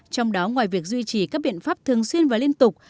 trong đó ngoài việc duy trì các biện pháp thường xuyên và liên tục